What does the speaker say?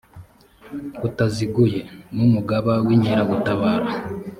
butaziguye n umugaba w inkeragutabara